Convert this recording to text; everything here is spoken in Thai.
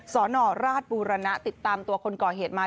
สนราชบูรณะติดตามตัวคนก่อเหตุมา